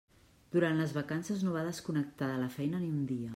Durant les vacances no va desconnectar de la feina ni un dia.